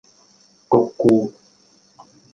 唂咕